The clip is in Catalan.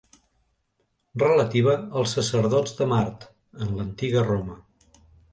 Relativa als sacerdots de Mart en l'antiga Roma.